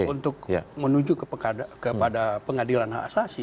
untuk menuju kepada pengadilan hak asasi